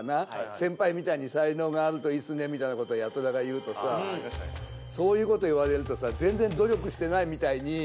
「先輩みたいに才能があるとイイっすね」みたいなこと八虎が言うとさ「そういうこと言われるとさ全然努力してないみたいに」。